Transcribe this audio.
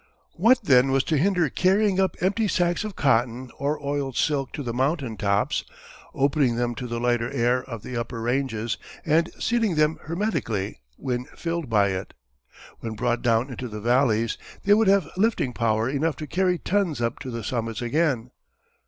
What then was to hinder carrying up empty sacks of cotton or oiled silk to the mountain tops, opening them to the lighter air of the upper ranges, and sealing them hermetically when filled by it. When brought down into the valleys they would have lifting power enough to carry tons up to the summits again.